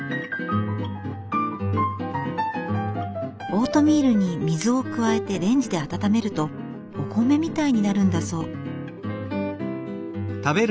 オートミールに水を加えてレンジで温めるとお米みたいになるんだそう。